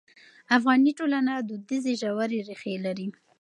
افغاني ټولنه دودیزې ژورې ریښې لري.